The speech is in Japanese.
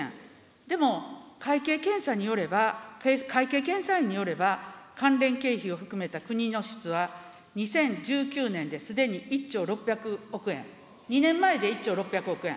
でも会計検査によれば、会計検査院によれば、関連経費を含めた国の支出は２０１９年ですでに１兆６００億円、２年前で１兆６００億円。